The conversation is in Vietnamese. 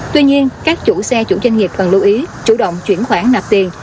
tuy nhiên các chủ xe chủ doanh nghiệp cần lưu ý chủ động chuyển khoản nạp tiền